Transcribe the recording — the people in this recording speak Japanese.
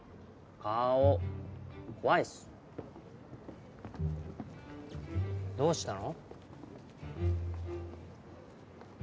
顔怖いっすどうしたの？